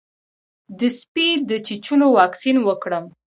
د سپي د چیچلو واکسین وکړم؟